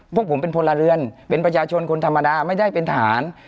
พวกผมเป็นพลเรือนเป็นประชาชนคนธรรมดาไม่ได้เป็นทหาร